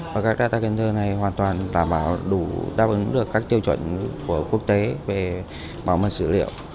và các dataganer này hoàn toàn đảm bảo đủ đáp ứng được các tiêu chuẩn của quốc tế về bảo mật dữ liệu